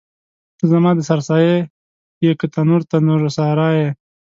ته زما د سر سایه یې که تنور، تنور سارا یې